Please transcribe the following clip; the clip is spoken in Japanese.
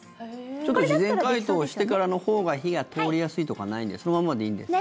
ちょっと事前解凍してからのほうが火が通りやすいとかないんですかそのままでいいんですか？